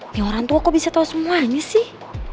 ini orang tua kok bisa tahu semuanya sih